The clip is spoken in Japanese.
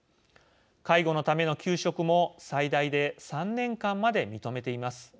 介護のための休職も最大で３年間まで認めています。